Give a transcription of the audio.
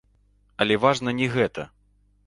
Але важна не гэта.